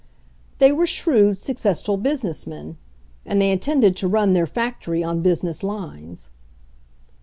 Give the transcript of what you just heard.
They were shrewd, successful business men, and they intended to run their factory on business lines.